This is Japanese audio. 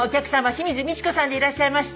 清水ミチコさんでいらっしゃいました。